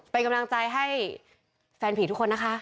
เป็นกำลังใจให้แฟนผีทุกคนนะคะ